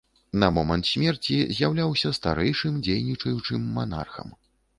На момант смерці з'яўляўся старэйшым дзейнічаючым манархам.